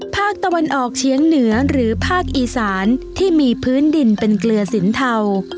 ภาคตะวันออกเชียงเหนือหรือภาคอีสานที่มีพื้นดินเป็นเกลือสินเทา